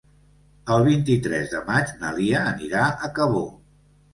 El vint-i-tres de maig na Lia anirà a Cabó.